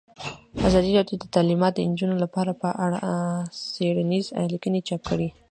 ازادي راډیو د تعلیمات د نجونو لپاره په اړه څېړنیزې لیکنې چاپ کړي.